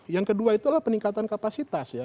yang kedua itu adalah peningkatan kapasitas ya